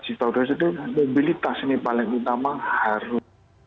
sista udah sedih mobilitas ini paling utama harus